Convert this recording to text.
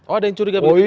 oh ada yang curiga begitu